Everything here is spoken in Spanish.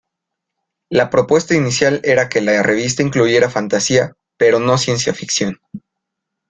La propuesta inicial era que la revista incluyera fantasía, pero no ciencia ficción.